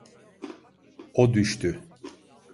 O düştü.